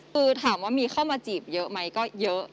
คือถามว่ามีเข้ามาจีบเยอะไหมก็เยอะ